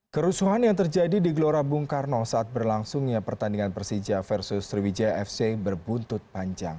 kerusuhan yang terjadi di gelora bung karno saat berlangsungnya pertandingan persija versus sriwijaya fc berbuntut panjang